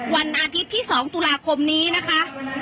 วันอาทิตย์ที่๒ตุลาคมนี้นะคะ